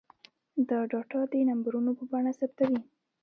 دا ډاټا د نمبرونو په بڼه ثبتوي.